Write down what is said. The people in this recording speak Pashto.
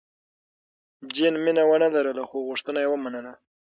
جین مینه ونه لرله، خو غوښتنه یې ومنله.